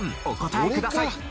お答えください。